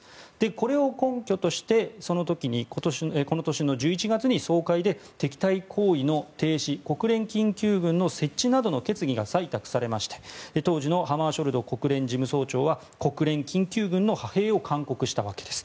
これを根拠としてこの年の１１月に総会で、敵対行為の停止国連緊急軍の設置などの決議が採択されまして当時のハマーショルド国連事務総長は国連緊急軍の派兵を勧告したわけです。